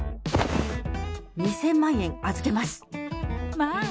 ２０００万円預けます。